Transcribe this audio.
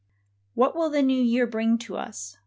HAT will the new year bring to us?